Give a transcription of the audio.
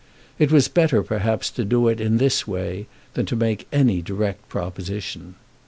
It was better, perhaps, to do it in this way, than to make any direct proposition.